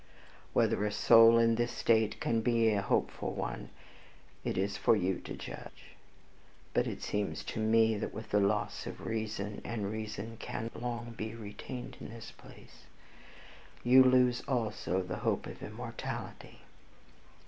Whether a soul in this state can be in a hopeful one, it is for you to judge; but it seems to me, that with the loss of reason (and reason cannot long be retained in this place) you lose also the hope of immortality.